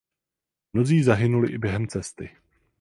Mnozí zahynuli i během cesty.